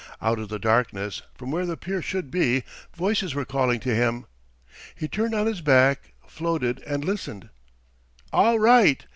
Out of the darkness, from where the pier should be, voices were calling to him. He turned on his back, floated, and listened. "All right!